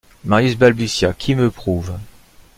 Marius balbutia: — Qui me prouve?...